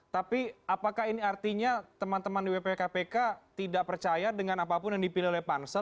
tapi apakah ini artinya teman teman di wp kpk tidak percaya dengan apapun yang dipilih oleh pansel